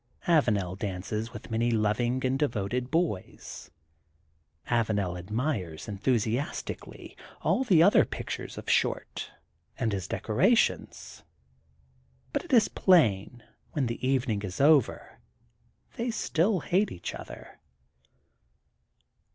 Avanel dances with many loving and devoted boys. Avanel admires enthusi astically all the other pictures of Short and his decorations. But it is plain, when the evening is over, they still hate each other.